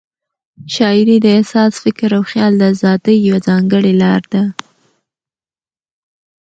شاعري د احساس، فکر او خیال د آزادۍ یوه ځانګړې لار ده.